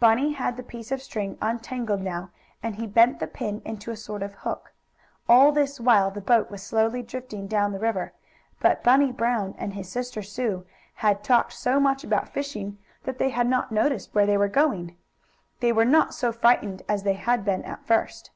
Bunny had the piece of string untangled now and he bent the pin into a sort of hook. All this while the boat was slowly drifting down the river, but Bunny Brown and his sister Sue had talked so much about fishing that they had not noticed where they were going. They were not so frightened as they had been at first.